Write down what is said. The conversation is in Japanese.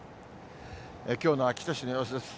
きょうの秋田市の様子です。